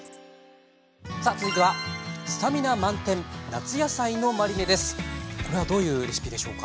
さあ続いてはこれはどういうレシピでしょうか？